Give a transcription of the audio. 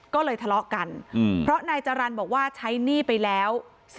ก็เลยทะเลาะกันเพราะนายจรรย์บอกว่าใช้หนี้ไปแล้ว